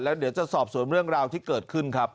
แล้วเดี๋ยวจะสอบสวนเรื่องราวที่เกิดขึ้นครับ